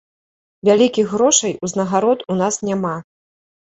Вялікіх грошай, узнагарод у нас няма.